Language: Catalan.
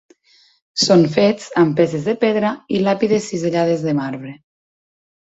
Són fets amb peces de pedra i làpides cisellades de marbre.